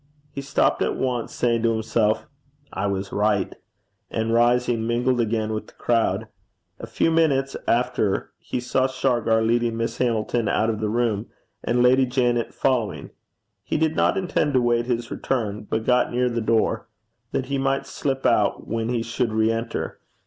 He stopped at once, saying to himself, 'I was right;' and rising, mingled again with the crowd. A few minutes after, he saw Shargar leading Miss Hamilton out of the room, and Lady Janet following. He did not intend to wait his return, but got near the door, that he might slip out when he should re enter.